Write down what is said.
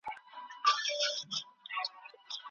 خلیفه باید د ظالمانو مخه ونیسي.